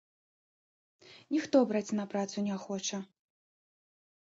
Ніхто браць на працу не хоча.